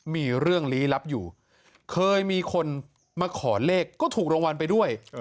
มีเรื่องลี้ลับอยู่เคยมีคนมาขอเลขก็ถูกรางวัลไปด้วย